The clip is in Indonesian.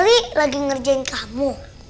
dia lagi ngerjain kamu